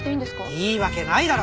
いいわけないだろ！